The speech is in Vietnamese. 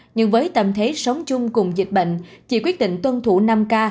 nhưng với tâm thế sống chung cùng dịch bệnh chị quyết định tuân thủ năm k